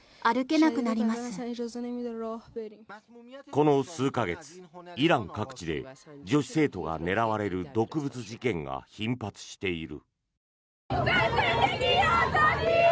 この数か月、イラン各地で女子生徒が狙われる毒物事件が頻発している。